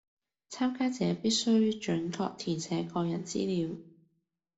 參加者必須準確填寫個人資料